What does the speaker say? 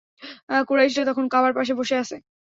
কুরাইশরা তখন কাবার পাশে বসে আছে।